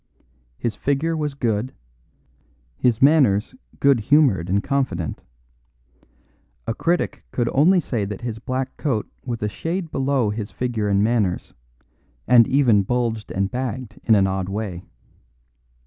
His figure was good, his manners good humoured and confident; a critic could only say that his black coat was a shade below his figure and manners, and even bulged and bagged in an odd way.